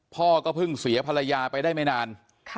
พ่อก็เพิ่งเสียภรรยาไปได้ไม่นาน